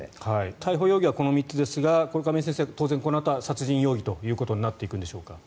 逮捕容疑はこの３つですが当然このあとは殺人容疑となっていくんでしょうか。